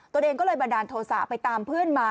ตัวเองก็เลยบันดาลโทษะไปตามเพื่อนมา